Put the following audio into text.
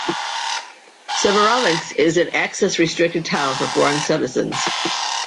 Severodvinsk is an access-restricted town for foreign citizens.